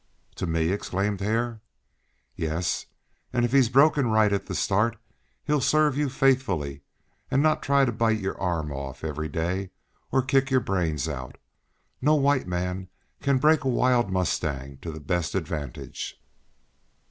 "To me!" exclaimed Hare. "Yes, and if he's broken right at the start, he'll serve you faithfully, and not try to bite your arm off every day, or kick your brains out. No white man can break a wild mustang to the best advantage."